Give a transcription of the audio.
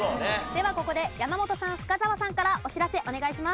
ではここで山本さん深澤さんからお知らせお願いします。